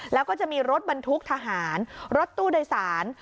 แล้วก็จะมีรถบรรทุกทหารรถตู้โดยสาร